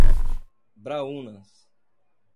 Braúnas